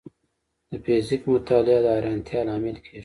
د فزیک مطالعه د حیرانتیا لامل کېږي.